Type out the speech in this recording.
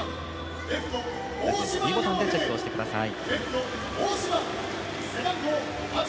ｄボタンでチェックしてください。